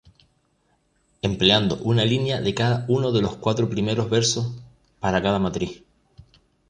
Empleando una línea de cada uno de los cuatro primeros versos para cada matriz.